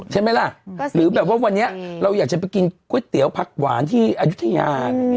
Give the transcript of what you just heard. ใช่ไหมล่ะหรือแบบว่าวันนี้เราอยากจะไปกินก๋วยเตี๋ยวผักหวานที่อายุทยา